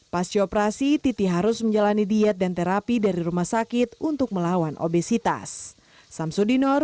pas dioperasi titi harus menjalani diet dan terapi dari rumah sakit untuk melawan obesitas